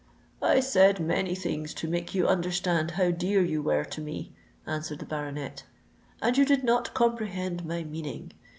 "I said many things to make you understand how dear you were to me," answered the baronet; "and you did not comprehend my meaning.